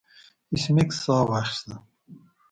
ایس میکس ساه واخیسته